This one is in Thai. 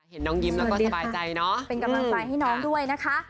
สวัสดีค่ะเป็นกำลังใจให้น้องด้วยนะคะ